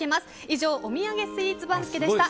以上、お土産スイーツ番付でした。